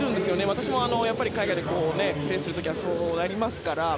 私も海外でプレーする時はそうなりますから。